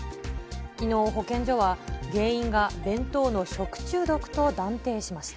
きのう、保健所は原因が弁当の食中毒と断定しました。